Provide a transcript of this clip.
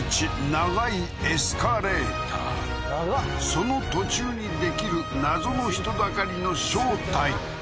その途中にできる謎の人だかりの正体って？